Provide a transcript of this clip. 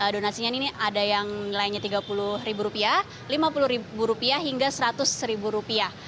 donasinya ini ada yang nilainya tiga puluh lima puluh rupiah hingga seratus ribu rupiah